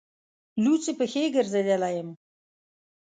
لوڅې پښې ګرځېدلی یم.